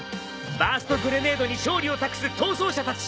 バーストグレネードに勝利を託す逃走者たち。